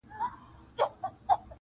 تاریخ کي یوازینی مشر دی -